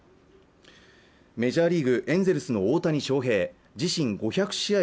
メジャーリーグエンゼルスの大谷翔平自身５００試合